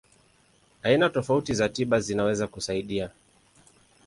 Aina tofauti za tiba zinaweza kusaidia.